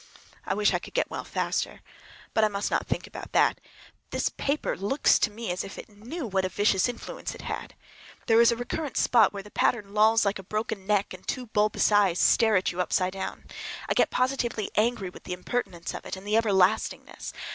I wish I could get well faster. But I must not think about that. This paper looks to me as if it knew what a vicious influence it had! There is a recurrent spot where the pattern lolls like a broken neck and two bulbous eyes stare at you upside down. I get positively angry with the impertinence of it and the everlastingness.